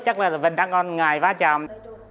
chắc là vẫn đang ngon ngài và chồng